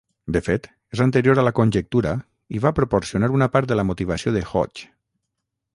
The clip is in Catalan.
De fet, és anterior a la conjectura i va proporcionar una part de la motivació de Hodge.